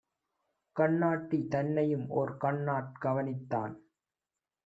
கண்ணாட்டி தன்னையும்ஓர் கண்ணாற் கவனித்தான்.